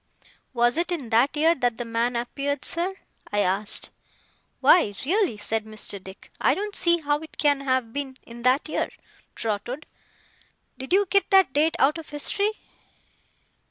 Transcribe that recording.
'Was it in that year that the man appeared, sir?' I asked. 'Why, really' said Mr. Dick, 'I don't see how it can have been in that year, Trotwood. Did you get that date out of history?